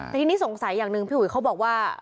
แต่ทีนี้สงสัยอย่างหนึ่งพี่อุ๋ยเขาบอกว่า